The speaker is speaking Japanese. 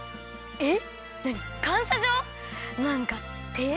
えっ？